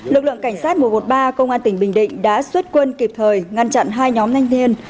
lực lượng cảnh sát mùa một ba công an tỉnh bình định đã xuất quân kịp thời ngăn chặn hai nhóm danh thiên